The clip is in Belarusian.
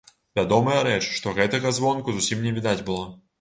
Вядомая рэч, што гэтага звонку зусім не відаць было.